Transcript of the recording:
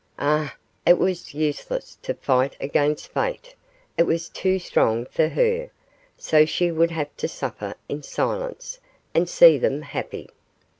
Ah! it was useless to fight against fate, it was too strong for her, so she would have to suffer in silence, and see them happy.